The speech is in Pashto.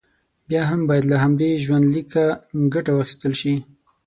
بیا هم باید له همدې ژوندلیکه ګټه واخیستل شي.